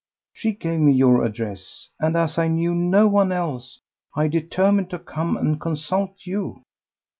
She gave me your address; and as I knew no one else I determined to come and consult you."